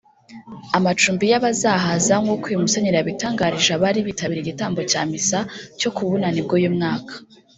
amacumbi y’abazahaza nkuko uyu musenyeri yabitangarije abari bitabiriye igitambo cya misa cyo ku bunani bw’uyu mwaka